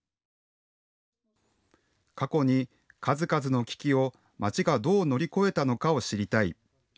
過去に数々の危機を街がどう乗り越えたのかを知りたい。